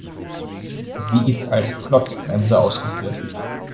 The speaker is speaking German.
Sie ist als Klotzbremse ausgeführt.